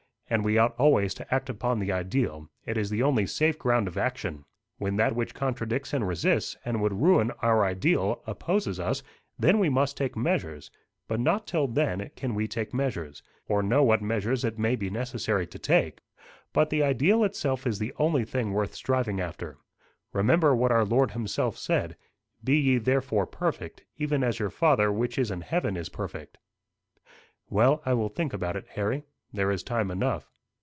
And we ought always to act upon the ideal; it is the only safe ground of action. When that which contradicts and resists, and would ruin our ideal, opposes us, then we must take measures; but not till then can we take measures, or know what measures it may be necessary to take. But the ideal itself is the only thing worth striving after. Remember what our Lord himself said: 'Be ye therefore perfect, even as your Father which is in heaven is perfect.'" "Well, I will think about it, Harry. There is time enough."